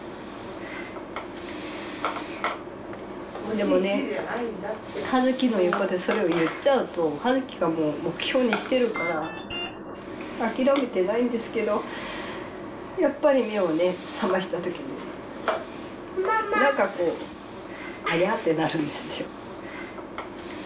でもね葉月の横でそれを言っちゃうと葉月がもう目標にしてるから諦めてないんですけどやっぱり目をね覚ましたときになんかこうありゃ？ってなるんですよ。